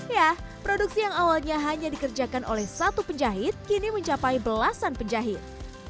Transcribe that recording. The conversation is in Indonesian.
ya produksi yang awalnya hanya dikerjakan oleh satu penjahit kini mencapai belasan penjahit